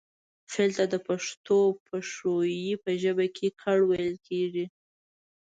فعل ته د پښتو پښويې په ژبه کې کړ ويل کيږي